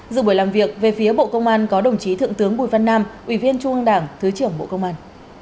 dự buổi làm việc về phía bộ công an có đồng chí thượng tướng bùi văn nam ubnd thứ trưởng bộ công an